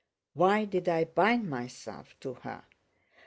Why did I bind myself to her?